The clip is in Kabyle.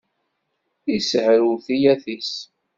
Issehrew tuyat-is.